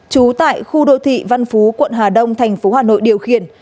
trú tại khu đô thị văn phú quận hà đông thành phố hà nội điều khiển